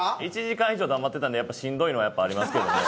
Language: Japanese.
１時間以上黙ってたんでやっぱしんどいのはありますけども。